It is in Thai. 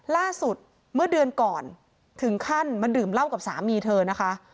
ล่าสุดเมื่อเดือนก่อนถึงขั้นมาดื่มเหล้ากับสามีเธอนะคะ